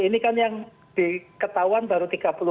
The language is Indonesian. ini kan yang diketahuan baru tiga puluh empat